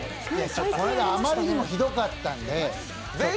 この間、あまりにもひどかったんで。